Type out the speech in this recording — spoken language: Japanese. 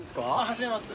走れます。